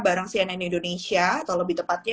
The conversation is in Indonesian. bareng cnn indonesia atau lebih tepatnya